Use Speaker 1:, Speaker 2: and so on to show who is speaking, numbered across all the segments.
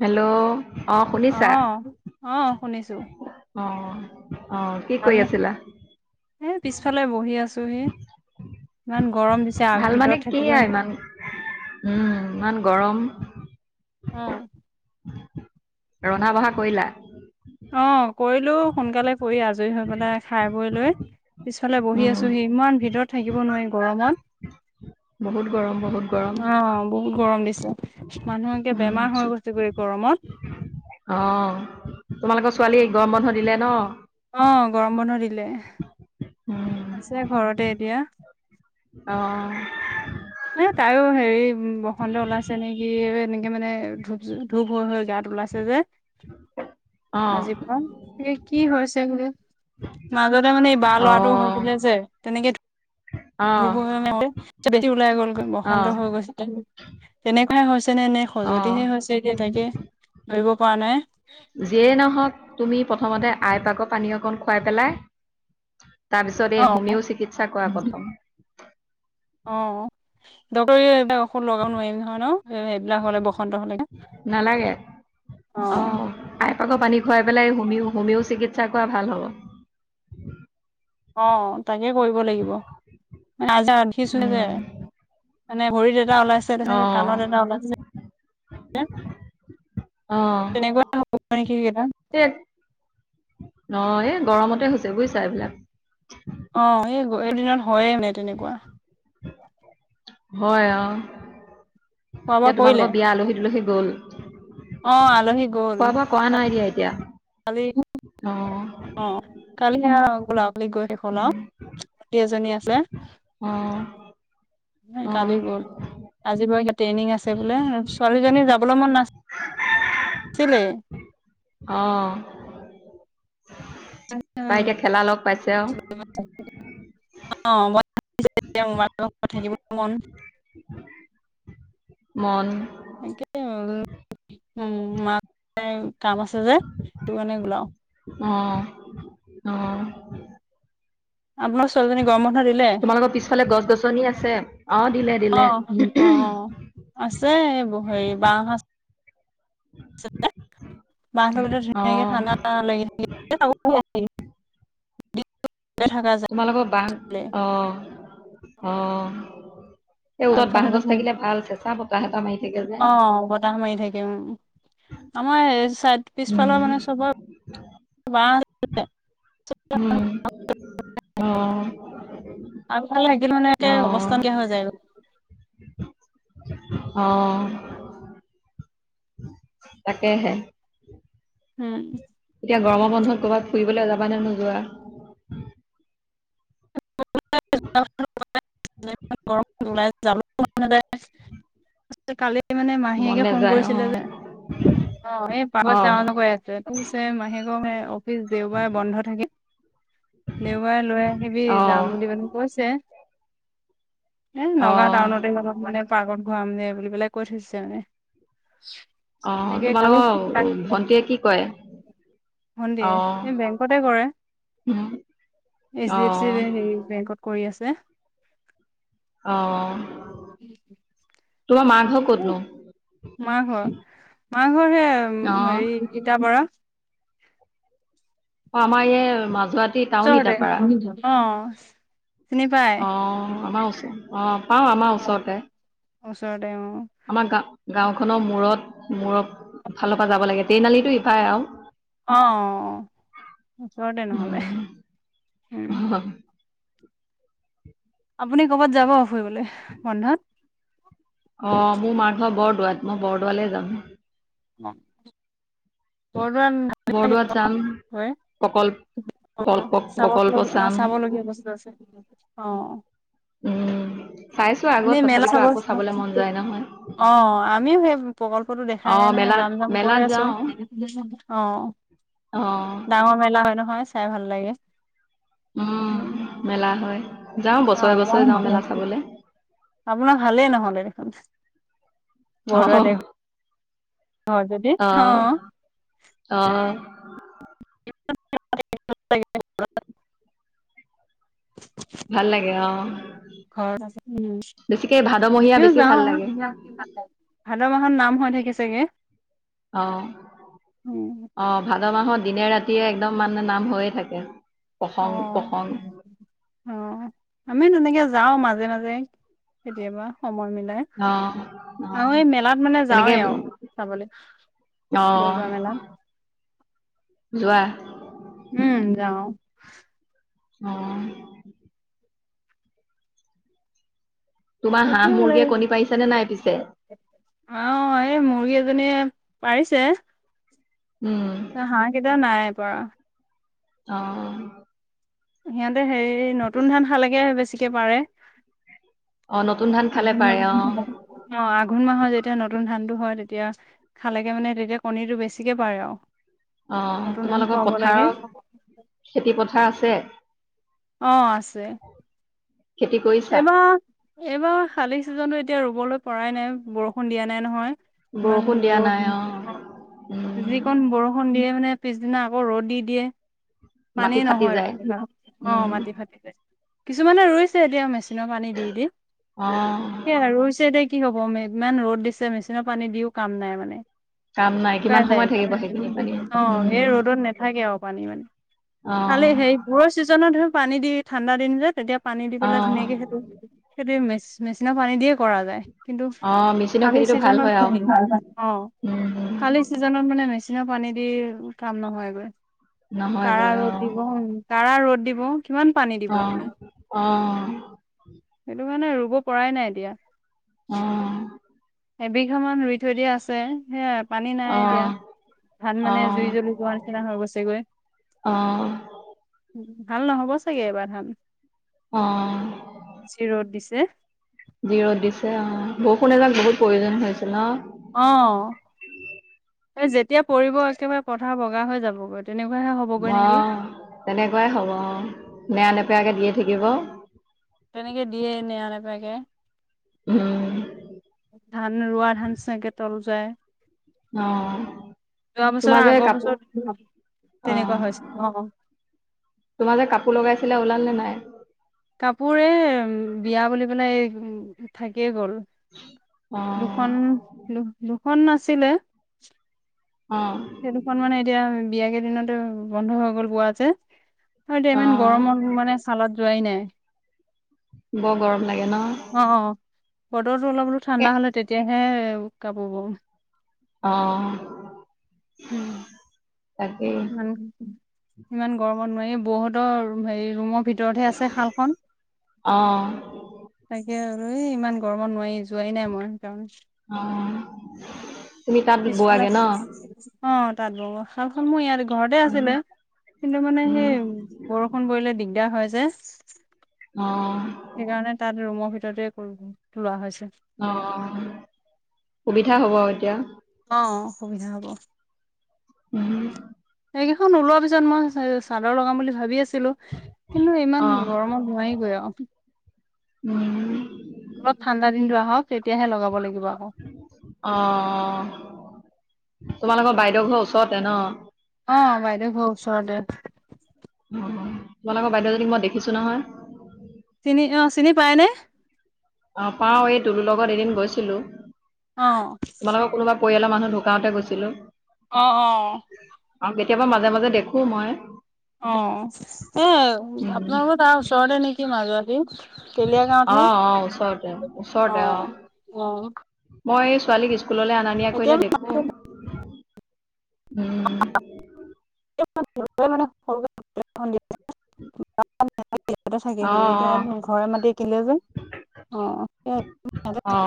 Speaker 1: Hello. অ শুনিছা
Speaker 2: অহ, শুনিছোঁ।
Speaker 1: অহ।
Speaker 2: ভাল নে এ পিছফালে বহি আছোঁ। হি ইমান গৰম দিছে, আগ
Speaker 1: ভাল মানে
Speaker 2: ভিতৰত
Speaker 1: কি
Speaker 2: থাকিবই
Speaker 1: আৰু ইমান
Speaker 2: নো
Speaker 1: উম, ইমান গৰম।
Speaker 2: উম।
Speaker 1: ৰন্ধা বঢ়া কৰিলা।
Speaker 2: অ', কৰিলো সোনকালে কৰি আজৰি হৈ পেলাই খাই বৈ লৈ পিছফালে বহি
Speaker 1: উম
Speaker 2: আছো হি ইমান ভিতৰত থাকিব নোৱাৰি গৰমত।
Speaker 1: বহুত গৰম বহুত গৰম
Speaker 2: অ', বহুত গৰম দিছে মানুহকে বেমাৰ হৈ গৈছে গৈ গৰম মৰমত।
Speaker 1: অহ তোমালোকৰ ছোৱালী গৰম বন্ধ দিলে ন।
Speaker 2: অ', গৰম বন্ধ দিলে।
Speaker 1: উম
Speaker 2: আছে ঘৰতে এতিয়া
Speaker 1: অ
Speaker 2: ন তাইো হেৰি উ বসন্ত ওলাইছে নেকি এনেকে মানে ধূপ ধূপ হৈ, হৈ গাত ওলাইছে যে।
Speaker 1: অ
Speaker 2: আজি পুৱা এ কি হৈছে বোলে মাজতে মানে এই বা ৰ
Speaker 1: অ
Speaker 2: ল'ৰাটোও হৈছে। ছিলে যে তেনেকে
Speaker 1: অ
Speaker 2: ধপ [unintelligible] ওলাই গলগৈ
Speaker 1: অ
Speaker 2: বসন্ত হৈ গৈছে তেনেকুৱাই হৈছে। নে এনে
Speaker 1: অ
Speaker 2: সখজুতিহে হৈছে এতিয়া তাকে ধৰিব পৰা নাই।
Speaker 1: যিয়েই নহওক তুমি প্ৰথমতে আই পাক পানী অকণ খুৱাই পেলাই তাৰপিছত
Speaker 2: অ
Speaker 1: এই হোমিও চিকিৎসা কৰা প্ৰথম
Speaker 2: অহ, [unintelligible] লগাও নোৱাৰিম নহয় ন সেইবিলাক হ'লে বসন্ত হ'লেগে
Speaker 1: নালাগে অ', আই পাক পানী খুৱাই পেলাই হোমিও হোমিও চিকিৎসা কৰা ভাল হ'ব।
Speaker 2: অ', তাকে কৰিব লাগিব দেখিছোঁ যে
Speaker 1: উম,
Speaker 2: মানে ভৰিত এটা ওলাইছে তেনেকে
Speaker 1: অ',
Speaker 2: কাণত এটা ওলাইছে। তেনেকুৱা হ'ব নেকি সেইকেইটা
Speaker 1: অ', অ', এই গৰমতে হৈছে বুজিছা এইবিলাক
Speaker 2: অ', ই এদিনত হয়ে নাই তেনেকুৱা
Speaker 1: হয় অ
Speaker 2: খোৱা বোৱা
Speaker 1: এতিয়া
Speaker 2: কৰিলে
Speaker 1: তোমালোকৰ বিয়া আলহী দুলহী গ'ল।
Speaker 2: অ
Speaker 1: খোৱা বোৱা কৰা নাই দিয়া এতিয়া
Speaker 2: আলহি
Speaker 1: অ'।
Speaker 2: অ কালি আহ গোলাাপলী গৈ শেষল আৰু স এজনী আছে
Speaker 1: অ', অ',
Speaker 2: কালি গ'ল। আজি বাৰু এয়া ট্ৰেইনিং আছে বোলে ছোৱালীজনী যাবলৈ মন নাছিল চিলে
Speaker 1: অ', তাইকে খেলা লগ পাইছে আৰু
Speaker 2: [unintelligible] মো লগ থাকিব মন
Speaker 1: মন
Speaker 2: উম কাম আছে যে তোৰ কাৰণে ওলাও
Speaker 1: আহ, আহ
Speaker 2: আপোনাক ছোৱালীজনীক গৰম বন্ধ দিলে
Speaker 1: তোমালোকৰ পিছফালে গছ গছনি আছে অ', দিলে দিলে
Speaker 2: আহ আহ আছে হেৰি বসাজ [unintelligible] মাহৰত ধুনীয়াকে
Speaker 1: অ',
Speaker 2: ঠাণ্ডা লাগি থাকে থাকা
Speaker 1: তোমালোকৰ ব
Speaker 2: যায়
Speaker 1: অ আহ
Speaker 2: আগফালেো
Speaker 1: চেঁচা বতাহ এটা মাৰি থাকে যে।
Speaker 2: আহ বতাহ মাৰি থাকিম উ, আমাৰ চাই পিছফালৰ
Speaker 1: উম,
Speaker 2: মানে চবৰ- বাঁহ
Speaker 1: উম, অ',
Speaker 2: আগ ভালে আহাকিল মানে তে অৱস্থা
Speaker 1: অ',
Speaker 2: দিয়া হৈ যায়
Speaker 1: অ', তাকেহে,
Speaker 2: উম,
Speaker 1: এতিয়া গৰমৰ বন্ধত কৰ'ৰবাত ফুৰিবলৈ যাবা নে নোযোৱা?
Speaker 2: গৰম। [unintelligible] কালি মানে
Speaker 1: মন
Speaker 2: মাহীয়েকে ফোন
Speaker 1: নাযায়
Speaker 2: কৰিছিলে
Speaker 1: অ',
Speaker 2: যে [unintelligible] পাহত
Speaker 1: অ',
Speaker 2: যাওঁ ন গৈ আছে ত মাহে গম অফিচ দেওবাৰে বন্ধ থাকিম দেওবাৰে লৈ আহিবি যাম
Speaker 1: অ',
Speaker 2: বুলি মানে কৈছে এ নগাঁও
Speaker 1: অ',
Speaker 2: টাউনতে অলপ মানে পাৰ্কত ঘূৰা মে বুলি পেলাই কৈ থৈছে মানে
Speaker 1: অ',
Speaker 2: তোক কালি
Speaker 1: তোমালোকৰ ভন্টিয়ে কি কৰে? অ',
Speaker 2: [unintelligible] এই বেংকতে কৰে
Speaker 1: উম,
Speaker 2: এইচ ডি এফ
Speaker 1: অ',
Speaker 2: হে বেংকত কৰি আছে
Speaker 1: অ', তোমাৰ মাৰ ঘৰ ক'তনো?
Speaker 2: মা ঘৰ মাকঘৰ হে
Speaker 1: অ',
Speaker 2: হেৰি তিতাবৰত
Speaker 1: অ', আমাৰ এইয় মাজুৱতি টাউন ই
Speaker 2: ওচৰতে
Speaker 1: তাৰ পাৰা
Speaker 2: অ চিনি পাই
Speaker 1: অ ', আমাৰ ওচ অ আমাৰ ওচৰতে
Speaker 2: ওচৰতে অ
Speaker 1: আমাৰ গা গাওঁ খনৰ মূৰত মূৰক ফালৰ পৰা যাব লাগে ট্ৰেইনআলিটো ইফায় আৰু
Speaker 2: অ', ওচৰতে নহলে
Speaker 1: উম
Speaker 2: উম আপুনি কৰ'বাত যাব ফুৰিবলৈ বন্ধত?
Speaker 1: অ', মোৰ মাৰ ঘৰ বৰদোৱাত মই বৰদোৱালে যাম।
Speaker 2: [unintelligible] [unintelligible]
Speaker 1: বৰদোৱাত চাম
Speaker 2: অ'
Speaker 1: প্ৰকল্প
Speaker 2: চাব
Speaker 1: প্ৰকল্প চাম
Speaker 2: অ' চাবলগীয়া বস্তু আছে অ'।
Speaker 1: উম, চাইছ
Speaker 2: এনে মেলা চাব, অ' আমিও সেই প্ৰকল্পটো দেখাই
Speaker 1: অ
Speaker 2: নাই নহয়
Speaker 1: মেলাত
Speaker 2: যাম যাম কাম কৰি
Speaker 1: মেলাত যাওঁ
Speaker 2: আছোঁ।
Speaker 1: অ
Speaker 2: ডাঙৰ মেলা হয় নহয় চাই ভাল লাগে। উম,
Speaker 1: মেলা হয় যাওঁ বছৰে বছৰে যাওঁ মেলা
Speaker 2: অ'।
Speaker 1: চাবলৈ
Speaker 2: আপোনাৰ ভালেই নহ'লে দেখোন। বৰদোৱাতে
Speaker 1: অ'।
Speaker 2: হয় যদি
Speaker 1: অ', অ'।
Speaker 2: [unintelligible]
Speaker 1: ভাল লাগে অ'।
Speaker 2: ঘৰত [unintelligible]
Speaker 1: বেছিকে ভাদমহীয়া
Speaker 2: আমিও
Speaker 1: বেছি ভাল লাগে
Speaker 2: যাওঁ, ভাদ মাহত নাম হৈ থাকে চাগে।
Speaker 1: অ', অ', ভাদ মাহত দিনে ৰাতিয়ে একদম মানে নাম হৈয়ে থাকে।
Speaker 2: অ',
Speaker 1: প্ৰসং প্ৰসং
Speaker 2: অ', আমি তেনেকে যাওঁ মাজে মাজে। কেতিয়াবা সময় মিলি [unintelligible]
Speaker 1: অ', অ',
Speaker 2: আৰু এই মেলাত মানে
Speaker 1: তেনেকে
Speaker 2: যাওঁৱে আৰু চাবলৈ। বৰদোৱা মেলাত
Speaker 1: অ' যোৱা।
Speaker 2: উম, যাওঁ।
Speaker 1: অ'। তোমাৰ
Speaker 2: তাকে
Speaker 1: হাঁহ
Speaker 2: বোলে
Speaker 1: মুৰ্গীয়ে কণী পাৰিছে নে নাই পিছে?
Speaker 2: অ' এই মুৰ্গী এজনীয়ে পাৰিছে।
Speaker 1: উম।
Speaker 2: হাঁহকেইটা নাই পৰা।
Speaker 1: অ'।
Speaker 2: সিহঁতে হেৰি নতুন ধান খালেগে হে বেছিকে পাৰে।
Speaker 1: অ', নতুন ধান খালে
Speaker 2: আঘোণ
Speaker 1: পাৰে অ',
Speaker 2: মাহত [inaudible] অ' আঘোণ মাহৰ তেতিয়া নতুন ধানটো হয় তেতিয়া খালেগে মানে তেতিয়া কণীটো বেছিকে পাৰে আৰু।
Speaker 1: অ'
Speaker 2: নতুন ধান
Speaker 1: তোমালোকৰ
Speaker 2: খুৱাব লাগে
Speaker 1: পথাৰত, খেতি পথাৰ আছে।
Speaker 2: অ' আছে।
Speaker 1: খেতি কৰিছা?
Speaker 2: এইবাৰ, এইবাৰ খালি চিজনটো এতিয়া ৰুবলৈ পৰাই নাই বৰষুণ দিয়া নাই নহয়। ইমান
Speaker 1: বৰষুণ দিয়া নাই অ',
Speaker 2: ৰ'দ [inaudible]
Speaker 1: উম,
Speaker 2: যিকণ বৰষুণ দিয়ে মানে পিছদিনা আকৌ ৰ'দ দি দিয়ে, পানী
Speaker 1: মাটি ফাটি যায়
Speaker 2: নহয় [inaudible]
Speaker 1: উম,
Speaker 2: অ' মাটি ফাটি যায়। কিছুমানে ৰুইছে এতিয়া মেচিনৰ পানী দি দি।
Speaker 1: অ',
Speaker 2: সেয়া ৰুইছে এতিয়া কি হ'ব ইমান ৰ'দ দিছে মেচিনৰ পানী দিওঁ কাম নাই মানে।
Speaker 1: কাম নাই
Speaker 2: শুকায়
Speaker 1: কিমান
Speaker 2: যায়
Speaker 1: সময় থাকিব সেইখিনি পানী
Speaker 2: [inaudible] অ', সেই
Speaker 1: উম,
Speaker 2: ৰ'দত নেথাকে আৰু পানী মানে। খালি
Speaker 1: অ',
Speaker 2: হেইবোৰৰ চিজনত হে পানী দি ঠাণ্ডা দিন যে তেতিয়া পানী দি পেলাই ধুনীয়াকে
Speaker 1: অ',
Speaker 2: সেইটো, সেইটোৱেই মেচি মেচিনত পানী দিয়ে কৰা যায় কিন্তু,
Speaker 1: অ', মেচিনৰ
Speaker 2: শালী
Speaker 1: খেতিটো ভাল
Speaker 2: চিজনত
Speaker 1: হয় আৰু
Speaker 2: [inaudible] অ'।
Speaker 1: উম, উম,
Speaker 2: খালী চিজনত মানে মেচিন সেই পানী দি কাম নহয়গৈ। কাঢ়া
Speaker 1: নহয়গৈ
Speaker 2: ৰ'দ
Speaker 1: অ',
Speaker 2: দিব, কাঢ়া ৰ'দ দিব। কিমান পানী দিব
Speaker 1: অ',
Speaker 2: আপুনি।
Speaker 1: অ',
Speaker 2: সেইটো কাৰণে ৰুব পৰাই নাই এতিয়া।
Speaker 1: অ'।
Speaker 2: এবিঘা মান ৰুই থৈ দিয়া আছে সেইয়া পানী নাই এতিয়া,
Speaker 1: অ',
Speaker 2: ধান মানে
Speaker 1: অ',
Speaker 2: জুই জ্বলি যোৱাৰ নিচিনা হৈ গৈছে গৈ।
Speaker 1: অ'।
Speaker 2: ভাল নহ'ব চাগে এইবাৰ ধান।
Speaker 1: অ'।
Speaker 2: এ।
Speaker 1: যি ৰ'দ দিছে অ', বৰষুণ এজাক বহুত প্ৰয়োজন হৈছিল ন!
Speaker 2: অ', এই যেতিয়া পৰিব একেবাৰে পথাৰ বগা হৈ যাব গৈ।
Speaker 1: অ', তেনেকুৱাই হ'ব অ', নেৰা -নেপেৰাকে দিয়ে থাকিব।
Speaker 2: তাকে।
Speaker 1: উ।
Speaker 2: ধান, ৰোৱা ধান ছাগে তল যায়।
Speaker 1: অ'।
Speaker 2: যোৱা বছৰ,
Speaker 1: তোমাৰ যে
Speaker 2: আগৰ
Speaker 1: কাপোৰ
Speaker 2: বছৰ তেনেকুৱা
Speaker 1: অ',
Speaker 2: হৈছিল। অ'।
Speaker 1: তোমাৰ যে কাপোৰ লগাইছিলা ওলাল নে নাই?
Speaker 2: কাপোৰ এই, বিয়া বুলি পেলাই এই থাকিয়ে গ'ল।
Speaker 1: অ',
Speaker 2: দুখন দু- দু খন আছিলে,
Speaker 1: অ',
Speaker 2: সেইদুখন মানে এতিয়া বিয়া কেইদিনতে বন্ধ হৈ গ'ল বোৱা যে, আৰু এতিয়া ইমান
Speaker 1: অ',
Speaker 2: গৰমত মই মানে ছালত যোৱাই নাই।
Speaker 1: বৰ গৰম লাগে ন?
Speaker 2: অ অ বতৰটো অলপ বোলো
Speaker 1: এ
Speaker 2: ঠাণ্ডা হ'লে তেতিয়াহে, কাপোৰ বম।
Speaker 1: অ'।
Speaker 2: উ।
Speaker 1: তাকেই
Speaker 2: ইমান [unintelligible] ইমান গৰমত নোৱাৰি, বৌহঁতৰ হেৰি ৰুমত ভিতৰতহে আছে শালখন।
Speaker 1: অ',
Speaker 2: তাকে আৰু এই ইমান গৰমত নোৱাৰি। যোৱাই নাই মই সেইকাৰণে।
Speaker 1: অ', তুমি তাত
Speaker 2: পিছফালে
Speaker 1: বোৱাগে ন?
Speaker 2: আছে? অ', তাঁতবব, শালখন মোৰ ইয়াত ঘৰতে
Speaker 1: উম,
Speaker 2: আছিলে। কিন্তু মানে
Speaker 1: উম,
Speaker 2: সেই বৰষুণ পৰিলে দিগদাৰ হয় যে।
Speaker 1: অ',
Speaker 2: সেইকাৰণে তাত ৰুমৰ ভিতৰতে কৰো, লোৱা হৈছে।
Speaker 1: অ', সুবিধা হ'ব আও এতিয়া।
Speaker 2: সুবিধা হ'ব।
Speaker 1: উ।
Speaker 2: এইকিখন ওলোৱাৰ পিছত মই চাদৰ লগাম বুলি ভাবি আছোঁ। ছিলো, কিন্তু ইমান
Speaker 1: অ',
Speaker 2: গৰমত নোৱাৰিগৈ আৰু।
Speaker 1: উ।
Speaker 2: লপ ঠাণ্ডা দিনটো আহক, তেতিয়াহে লগাব লাগিব। আকৌ
Speaker 1: অ', তোমালোকৰ বাইদেউ ঘৰৰ ওচৰতে ন?
Speaker 2: অ', বাইদেউ ঘৰ ওচৰতে।
Speaker 1: অ', তোমালোকৰ বাইদেউজনীক মই দেখিছো নহয়।
Speaker 2: চিনি অ চিনি পায়নে?
Speaker 1: অ', পাওঁ এই তুলুৰ লগত এদিন গৈছিলো,
Speaker 2: অ
Speaker 1: তোমালোকৰ কোনোবা পৰিয়ালৰ মানুহ ঢুকাওঁতে গৈছিলো।
Speaker 2: অ', অ'।
Speaker 1: আৰু কেতিয়াবা মাজে মাজে দেখোঁ মই।
Speaker 2: অ'। এ,
Speaker 1: উম,
Speaker 2: আপোনালোকৰ তাৰ ওচৰতে নেকি মাজুগৰাকী। তেলীয়া গাঁৱত হে,
Speaker 1: অ', অ', ওচৰতে ওচৰতে
Speaker 2: অ', অ'।
Speaker 1: মই ছোৱালীক স্কুললৈ অনা নিয়া
Speaker 2: এতিয়া
Speaker 1: কৰিলে দেখো। উ।
Speaker 2: [unintelligible] [unintelligible] থাকে
Speaker 1: অ
Speaker 2: সি, এতিয়া ঘৰে মাটিয়ে কিনিলে যে।
Speaker 1: অ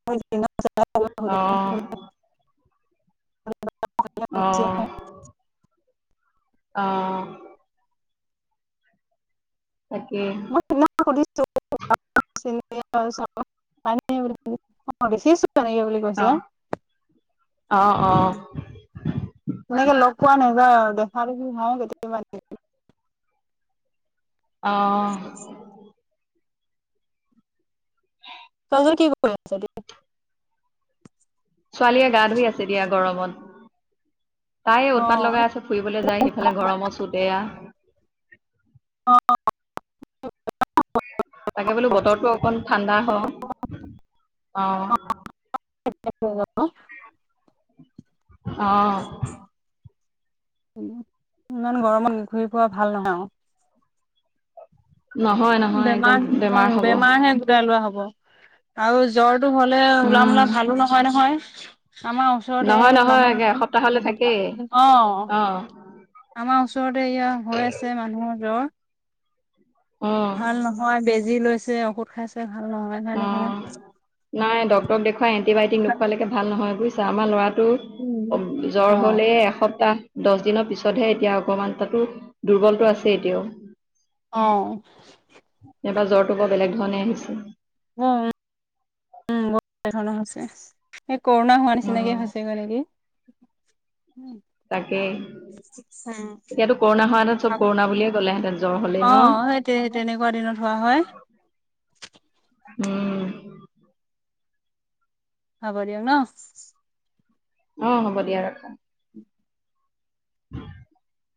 Speaker 2: অ', [unintelligible]
Speaker 1: অ'।
Speaker 2: [unintelligible]
Speaker 1: অ'। অ'। তাকেই
Speaker 2: মই তোমাক সুধিছোঁ [unintelligible] [unintelligible] এনেকে বুলি কৈছে।
Speaker 1: অ অ অ
Speaker 2: অ' তেনেকে লগ পোৱা নাযায় আৰু। দেখা দেখি হয় কেতিয়াবা
Speaker 1: অ'।
Speaker 2: ছোৱালীজনী কি কৰি আছে তেতিয়াহ'লে?
Speaker 1: ছোৱালীয়ে গা ধুই আছে দিয়া গৰমত। তাই
Speaker 2: অ
Speaker 1: উৎপাত লগাই আছে, ফুৰিবলৈ যায়, সেইফালে গৰমৰ চোতে এয়া।
Speaker 2: [unintelligible]
Speaker 1: তাকে বোলো বতৰটো অকন ঠাণ্ডা হওঁক। অ'।
Speaker 2: [unintelligible]
Speaker 1: অ'।
Speaker 2: ইমান গৰমত ঘূৰি ফুৰা ভাল নহয় আৰু।
Speaker 1: নহয় নহয় একদম
Speaker 2: বেমাৰ
Speaker 1: বেমাৰ হ'ব
Speaker 2: বেমাৰহে গুৰাই লোৱা হ'ব। আৰু জ্বৰটো হ'লে ওলা
Speaker 1: উম
Speaker 2: মোলা ভালোঁ নহয় নহয়। আমাৰ ওচৰতে
Speaker 1: নহয় নহয়
Speaker 2: মানুহ এজন,
Speaker 1: এসপ্তাহলে থাকেই
Speaker 2: অ'।
Speaker 1: অ
Speaker 2: আমাৰ ওচৰতে এয়া হৈ আছে মানুহৰ জ্বৰ।
Speaker 1: অ
Speaker 2: ভাল নহয়, বেজি লৈছে, ঔষধ খাইছে। ভাল নহয় ভাল
Speaker 1: অ'
Speaker 2: নহয়
Speaker 1: নাই ডক্টৰক দেখুৱাই এণ্টিবায়টিক নোখুৱোলৈকে ভাল নহয় বুজিছা? আমাৰ ল'ৰা টোৰ
Speaker 2: উম, অ
Speaker 1: জ্বৰ হ'লে এসপ্তাহ দহ দিনৰ পিছতহে এতিয়া অকমান তাতো দুৰ্বলটো আছে এতিয়াও।
Speaker 2: অ'।
Speaker 1: এইবাৰ জ্বৰটো বৰ বেলেগ ধৰণে আহিছে।
Speaker 2: হয় উ, উ, উম, বৰ বেলেগ ধৰণে হৈছে। হেই কৰোণা হোৱা
Speaker 1: উম
Speaker 2: নিচিনাকে হৈছেগৈ নেকি। উম
Speaker 1: তাকেই। এতিয়াতো কৰোণা হোৱাহেঁতেন চব কৰোণা বুলিয়ে ক'লেহেঁতেন জ্বৰ হ'লেই ন'?
Speaker 2: হয় হয়।
Speaker 1: উম।
Speaker 2: হব দিয়া ন'?
Speaker 1: অ' হ'ব দিয়া, ৰাখা। [unintelligible]